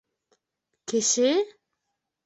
— Кеше?